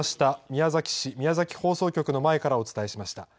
宮崎市宮崎放送局の前からお伝えしました。